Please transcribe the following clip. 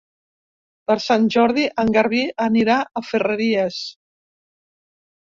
Per Sant Jordi en Garbí anirà a Ferreries.